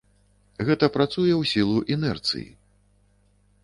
Гэта працуе ў сілу інэрціі.